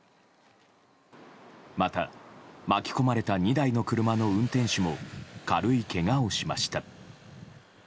また、巻き込まれた２台の車の運転手も軽いけがをしました。